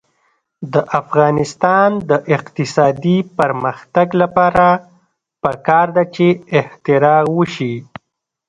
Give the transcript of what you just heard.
د افغانستان د اقتصادي پرمختګ لپاره پکار ده چې اختراع وشي.